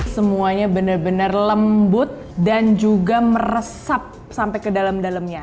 semuanya benar benar lembut dan juga meresap sampai ke dalam dalamnya